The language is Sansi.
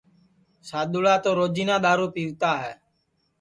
سادؔوݪا تو روجینا دؔارو پِیوتا ہے